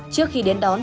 trước khi đến đón